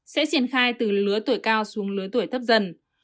sẽ triển khai từ lứa tuổi cao xuống lứa tuổi thấp dần